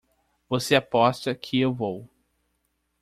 Você aposta que eu vou!